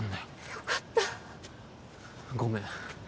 よかったごめん